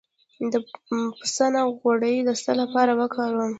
د پسته غوړي د څه لپاره وکاروم؟